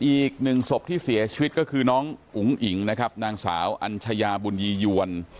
อีกหนึ่งศพที่เสียชีวิตก็คือน้องอุ๋งอิ๋งนะครับนางสาวอัญชยาบุญยียวน